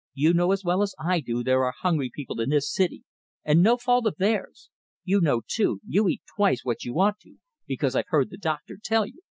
You know as well as I do there are hungry people in this city, and no fault of theirs. You know, too, you eat twice what you ought to, because I've heard the doctor tell you.